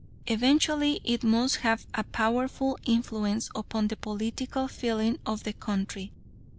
Eventually it must have a powerful influence upon the political feeling of the country.